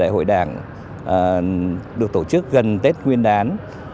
hội đảng được tổ chức gần tết nguyên đán